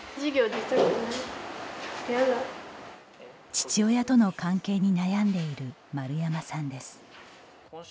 父親との関係に悩んでいる丸山さんです。